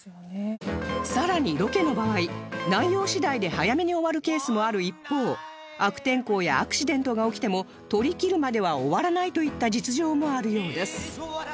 さらにロケの場合内容次第で早めに終わるケースもある一方悪天候やアクシデントが起きても撮り切るまでは終わらないといった実情もあるようです